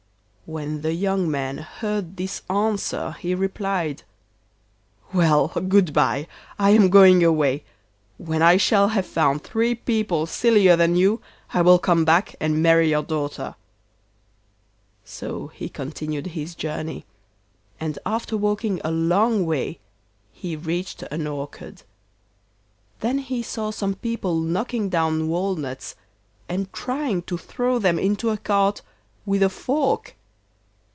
When the young man heard this answer he replied: 'Well! good bye, I am going away. When I shall have found three people sillier than you I will come back and marry your daughter.' So he continued his journey, and after walking a long way he reached an orchard. Then he saw some people knocking down walnuts, and trying to throw them into a cart with a fork.